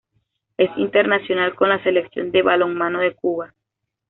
Es internacional con la selección de balonmano de Cuba.